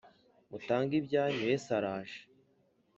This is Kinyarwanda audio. mutange ibyanyu yesu araje